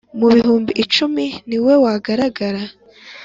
mu bihumbi icumi ni we wagaragara.